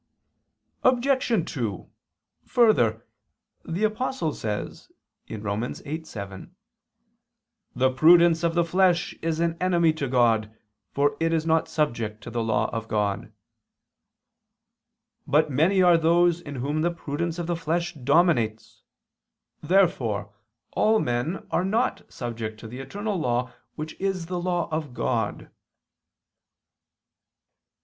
Obj. 2: Further, the Apostle says (Rom. 8:7): "The prudence [Vulg.: 'wisdom'] of the flesh is an enemy to God: for it is not subject to the law of God." But many are those in whom the prudence of the flesh dominates. Therefore all men are not subject to the eternal law which is the law of God.